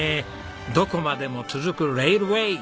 どこまでも続くレイルウェー！